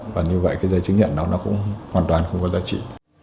và như vậy giấy chứng nhận đó cũng hoàn toàn không có giá trị